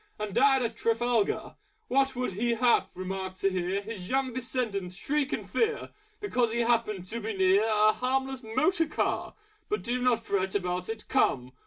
And died at Trafalgar! What would he have remarked to hear His Young Descendant shriek with fear, Because he happened to be near A Harmless Motor Car! But do not fret about it! Come!